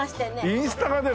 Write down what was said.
インスタが出る！？